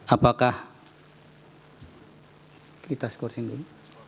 apakah kita skorsing dulu